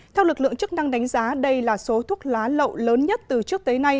theo lực lượng chức năng đánh giá đây là số thuốc lá lậu lớn nhất từ trước tới nay